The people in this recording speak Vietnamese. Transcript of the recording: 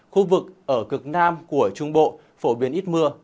khu vực ở cực nam của trung bộ phổ biến ít mưa